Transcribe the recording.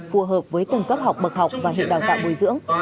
phù hợp với từng cấp học bậc học và hệ đào tạo bồi dưỡng